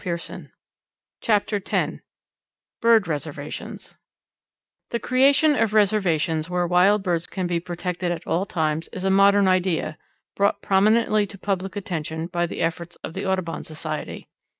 CHAPTER X BIRD RESERVATIONS The creation of reservations where wild birds can be protected at all times is a modern idea, brought prominently to public attention by the efforts of the Audubon Society.